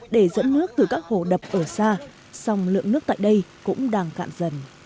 để dẫn nước từ các hồ đập ở xa song lượng nước tại đây cũng đang cạn dần